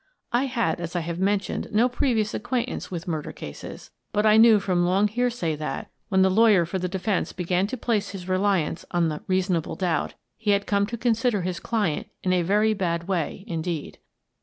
I had, as I have men tioned, no previous acquaintance with murder cases, but I knew from long hearsay that, when the lawyer 164 Miss Frances Baird, Detective for the defence began to place his reliance on the " reasonable doubt/' he had come to consider his client in a very bad way, indeed.